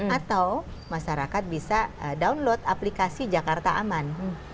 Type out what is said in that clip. atau masyarakat bisa download aplikasi jakarta aman